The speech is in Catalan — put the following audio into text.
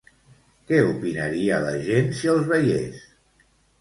Què opinaria la gent si els veies?